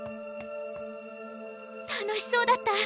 楽しそうだった。